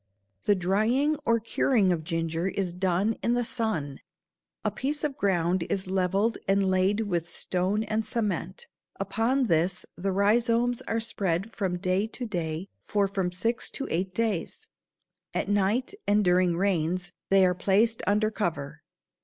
The drying or curing of ginger is done in the sun. A piece of ground is leveled and laid with stone and cement. Upon this the rhizomes are spread from day to day for from six to eight days. At night and during rains they are placed under cover.